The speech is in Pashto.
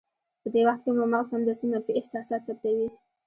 په دې وخت کې مو مغز سمدستي منفي احساسات ثبتوي.